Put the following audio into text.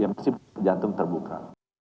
mesti jantung terbuka